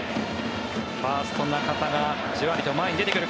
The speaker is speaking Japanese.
ファースト、中田がじわりと前に出てくる。